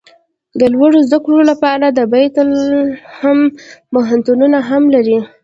د لوړو زده کړو لپاره د بیت لحم پوهنتون هم لري.